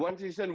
danny ings tidak